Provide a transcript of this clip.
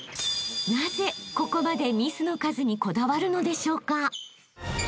［なぜここまでミスの数にこだわるのでしょうか？］